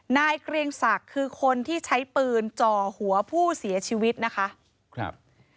เกรียงศักดิ์คือคนที่ใช้ปืนจ่อหัวผู้เสียชีวิตนะคะครับ